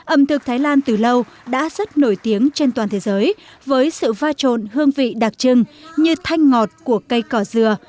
ẩm thực thái lan từ lâu đã rất nổi tiếng trên toàn thế giới với sự va trộn hương vị đặc trưng như thanh ngọt của cây cỏ dừa